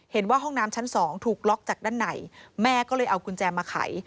เห็นว่าห้องน้ำชั้นสองถูกล็อกจากด้านในแม่ก็เลยเอากุญแจมาไข